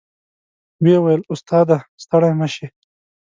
وې ویل استاد ه ستړی مه شې.